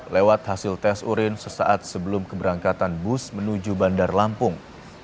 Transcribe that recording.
lewat hasil tes urin sesaat sebelum keberangkatan bus menuju bandar lampung